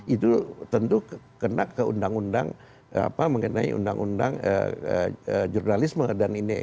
itu tentu kena ke undang undang mengenai undang undang jurnalisme dan ini